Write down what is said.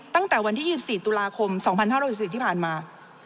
ตั้งแต่วันที่๒๔ตุลาคม๒๕๖๔ที่ผ่านมา